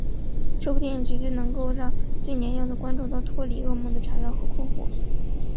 这部电影绝对能够让最年幼的观众都脱离噩梦的缠绕和困扰。